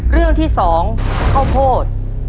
เรื่องที่สองเข้าโพธิ